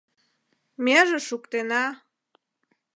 Меже шуктена.